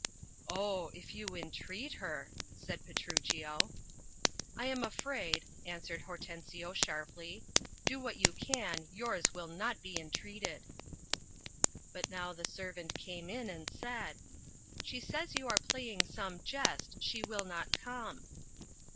"Oh — if you entreat her," said Petruchio. "I am afraid," answered Hortensio, sharply, "do what you can, yours will not be entreated." But now the servant came in, and said — 'She says you are playing some jest, she will not come."